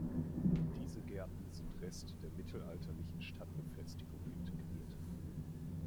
In diese Gärten sind Reste der mittelalterlichen Stadtbefestigung integriert.